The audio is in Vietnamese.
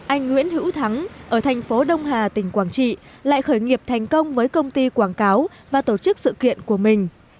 anh nguyễn hữu thắng ở thành phố đông hà tỉnh quảng trị lại khởi nghiệp thành công với công ty quảng cáo và tổ chức sự kiện của mình